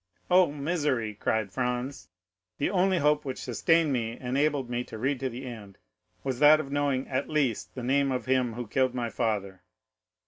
"Oh, misery," cried Franz: "the only hope which sustained me and enabled me to read to the end was that of knowing, at least, the name of him who killed my father!